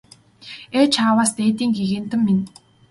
Ээ чааваас дээдийн гэгээнтэн минь!